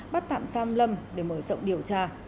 bắt tạm xam lâm để mở rộng điều tra